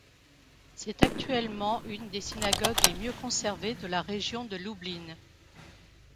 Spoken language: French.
C'est actuellement une des synagogues les mieux conservées de la région de Lublin.